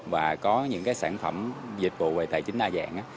và có những cái sản phẩm dịch vụ về tài chính đa dạng